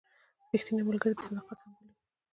رښتینی ملګری د صداقت سمبول وي.